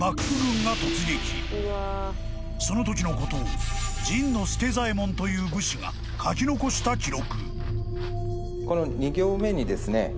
［そのときのことを陣佐左衛門という武士が書き残した記録］